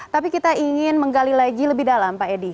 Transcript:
tapi kita ingin menggali lagi lebih dalam pak edi